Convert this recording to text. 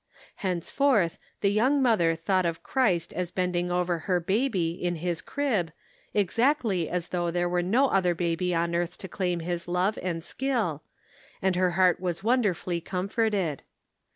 Thenceforth, the young mother thought of Christ as bending over her baby in his crib exactly as though there were no other baby on earth to claim His love and skill, and her heart was wonderfully comforted.